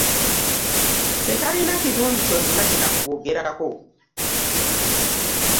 Tekalina kirungi kyonna kye kakwogerako.